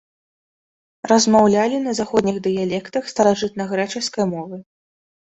Размаўлялі на заходніх дыялектах старажытнагрэчаскай мовы.